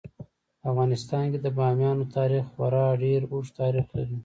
په افغانستان کې د بامیان تاریخ خورا ډیر اوږد تاریخ دی.